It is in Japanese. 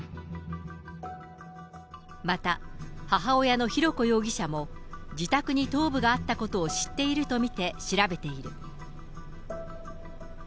また、母親の浩子容疑者も、自宅に頭部があったことを知っていると見て調べている。